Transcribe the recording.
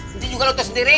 mesti juga lo tersendiri